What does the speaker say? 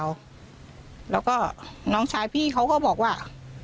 หรือไปก่อนเพื่อก็มีอะไรบ้างแล้วน้องชายพี่เขาก็บอกว่า